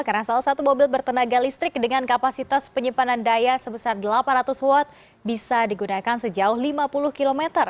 karena salah satu mobil bertenaga listrik dengan kapasitas penyimpanan daya sebesar delapan ratus watt bisa digunakan sejauh lima puluh km